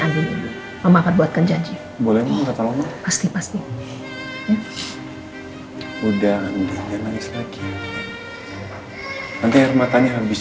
andi ini mama buatkan janji boleh pasti pasti udah nangis lagi nanti hermatannya habis